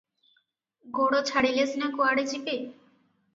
ଗୋଡ଼ ଛାଡ଼ିଲେ ସିନା କୁଆଡ଼େ ଯିବେ?